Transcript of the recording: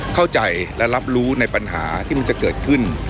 เข้าใจและรับรู้ในปัญหาที่มันจะเกิดขึ้น